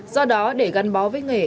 do đó để gắn bó với nghề